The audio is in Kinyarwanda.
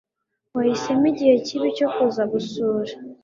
Wahisemo igihe kibi cyo kuza gusura.